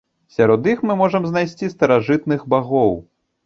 Сярод іх мы можам знайсці старажытных багоў.